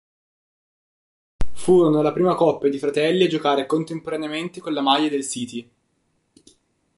Furono la prima coppia di fratelli a giocare contemporaneamente con la maglia del "City".